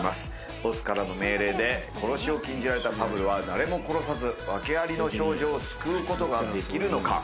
ボスからの命令で殺しを禁じられたファブルは誰も殺さず、訳あり少女を救うことができるのか？